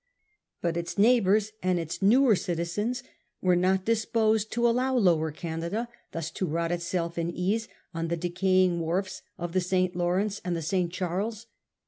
But its neighbours and its newer citizens were not disposed to allow Lower Canada thus to rot itself in ease on the decaying 'wharfs of the St. Lawrence and the St. Charles.